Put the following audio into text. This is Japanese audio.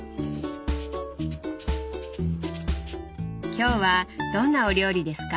今日はどんなお料理ですか？